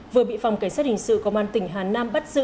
vừa bị phòng cảnh sát hình sự công an tỉnh hà nam bắt giữ